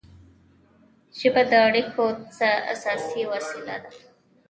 ژبه د اړیکو اساسي وسیله ده.